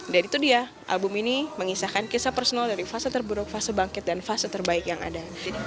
dan itu dia album ini mengisahkan kisah personal dari fase terburuk fase bangkit dan fase terbaik yang ada